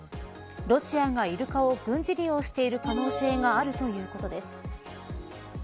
ロシアがイルカを軍事利用している可能性があるということです。